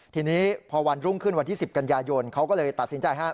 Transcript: ทีนี้พอวันรุ่งขึ้นวันที่๑๐กันยายนเขาก็เลยตัดสินใจฮะ